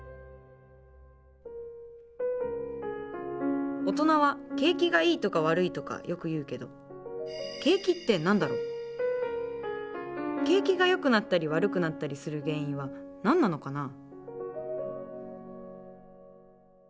皆さんも大人は景気がいいとか悪いとかよく言うけど景気がよくなったり悪くなったりする原因は何なのかな？